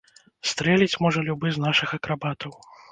Стрэліць можа любы з нашых акрабатаў.